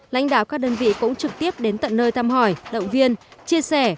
lãnh đạo các đơn vị cũng trực tiếp đến tận nơi thăm hỏi động viên chia sẻ